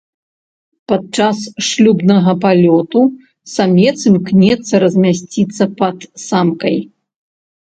Падчас шлюбнага палёту самец імкнецца размясціцца пад самкай.